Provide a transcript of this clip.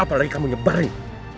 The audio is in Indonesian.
apalagi kamu nyeberin